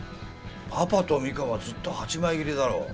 パパと美香はずっと８枚切りだろ。